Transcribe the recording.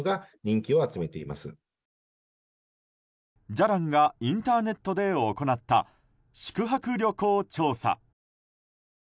じゃらんがインターネットで行った宿泊旅行調査。